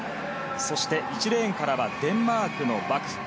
そして、１レーンからはデンマークのバク。